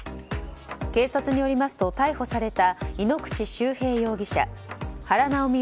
警察によりますと逮捕された井口修平容疑者原直美